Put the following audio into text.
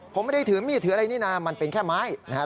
ผมไม่ได้ถือมีดถืออะไรนี่นะมันเป็นแค่ไม้นะครับ